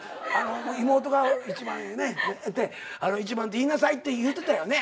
妹が一番よねって一番って言いなさいって言うてたよね。